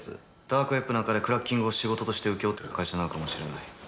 ダークウェッブなんかでクラッキングを仕事として請け負ってる会社なのかもしれない。